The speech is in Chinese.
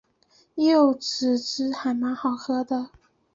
柚子汁还蛮好喝的